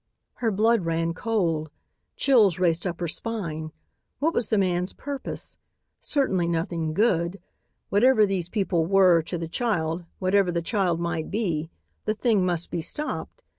Her blood ran cold. Chills raced up her spine. What was the man's purpose? Certainly nothing good. Whatever these people were to the child, whatever the child might be, the thing must be stopped.